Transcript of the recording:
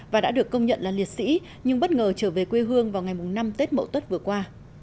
và đã được công nhận là liệt sĩ nhưng bất ngờ trở về quê hương vào ngày năm tết mậu tuất vừa qua